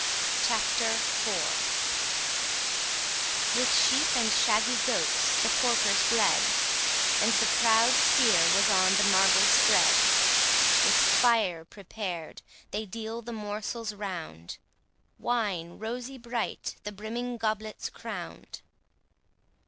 CHAPTER IV With sheep and shaggy goats the porkers bled, And the proud steer was on the marble spread; With fire prepared, they deal the morsels round, Wine rosy bright the brimming goblets crown'd.